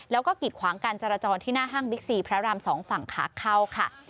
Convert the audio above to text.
แล้วก็กิดขวางการจราจรที่หน้าห้างบิ๊กซีพระราม๒ฝั่งขาเข้าค่ะ